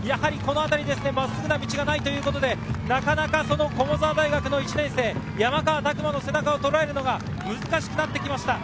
まっすぐな道がないというところでなかなか駒澤大学の１年生・山川の姿をとらえるのが難しくなってきました。